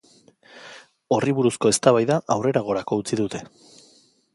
Horri buruzko eztabaida aurreragorako utzi dute.